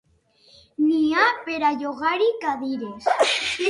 N'hi ha per a llogar-hi cadires.